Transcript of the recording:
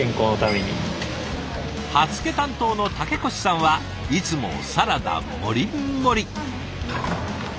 刃付け担当の竹越さんはいつもサラダもりっもり！